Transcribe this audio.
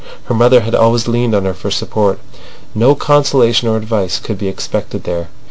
Her mother had always leaned on her for support. No consolation or advice could be expected there.